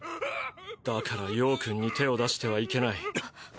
だから葉くんに手を出してはいけない。